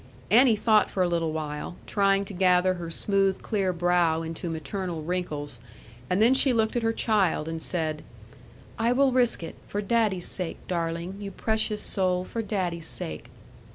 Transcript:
Annie thought for a little while, trying to gather her smooth clear brow into maternal wrinkles, and then she looked at her child, and said, 'I will risk it, for daddy's sake, darling; you precious soul, for daddy's sake.'